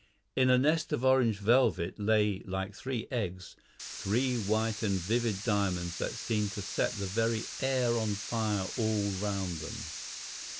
In a nest of orange velvet lay like three eggs, three white and vivid diamonds that seemed to set the very air on fire all round them.